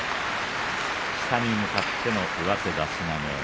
下に向かっての上手出し投げ。